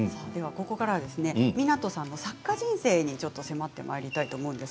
ここからは湊さんの作家人生に迫っていきたいと思います。